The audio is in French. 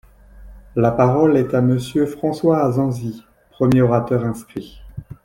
La parole est à Monsieur François Asensi, premier orateur inscrit.